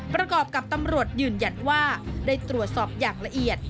ประกอบกับตำรวจยืนยันว่าได้ตรวจสอบอย่างละเอียด